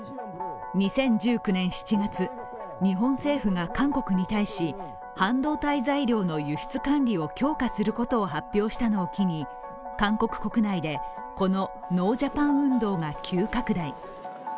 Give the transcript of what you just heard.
２０１９年７月、日本政府が韓国に対し半導体材料の輸出管理を強化することを発表したのを機に韓国国内でこのノージャパン運動が急拡大。